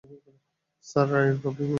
Sir, রায়ের copy.